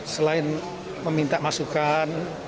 selain meminta masukan